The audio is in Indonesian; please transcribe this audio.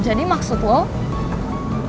jadi maksud lo gue buruk di mata lo